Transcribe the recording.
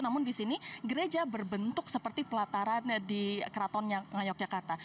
namun di sini gereja berbentuk seperti pelataran di keratonnya ngayog yogyakarta